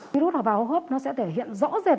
virus hợp vào hô hấp nó sẽ thể hiện rõ rệt